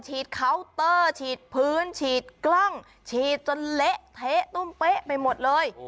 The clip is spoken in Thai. เคาน์เตอร์ฉีดพื้นฉีดกล้องฉีดจนเละเทะตุ้มเป๊ะไปหมดเลย